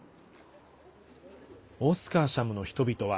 オスカーシャムの人々は。